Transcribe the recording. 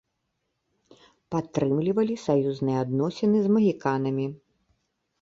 Падтрымлівалі саюзныя адносіны з магіканамі.